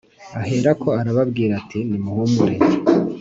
Aherako arababwira ati nimuhumure